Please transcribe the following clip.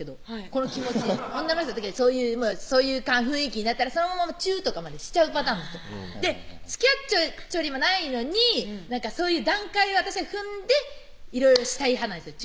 この気持ち女の人ってそういう雰囲気になったらそのままチューとかまでしちゃうパターンの人つきあっちょりもないのにそういう段階を私は踏んでいろいろしたい派なんですよ